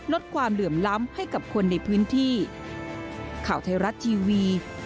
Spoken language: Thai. ลดความเหลื่อมล้ำให้กับคนในพื้นที่